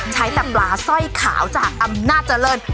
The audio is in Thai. ใช้แต่ปลาสร้อยขาวจากอำนาจเจริญ